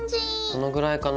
このぐらいかな？